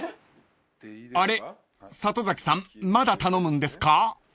［あれ里崎さんまだ頼むんですか？］